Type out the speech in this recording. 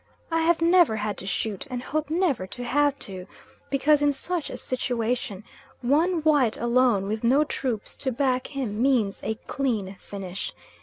I have never had to shoot, and hope never to have to; because in such a situation, one white alone with no troops to back him means a clean finish.